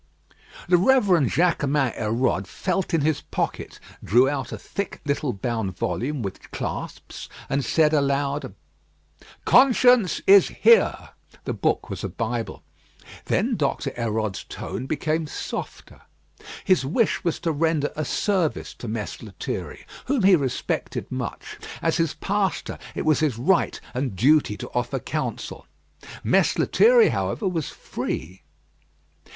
The Reverend Jaquemin Hérode felt in his pocket, drew out a thick little bound volume with clasps, and said aloud: "Conscience is here." The book was a Bible. Then Doctor Hérode's tone became softer. "His wish was to render a service to Mess Lethierry, whom he respected much. As his pastor, it was his right and duty to offer counsel. Mess Lethierry, however, was free."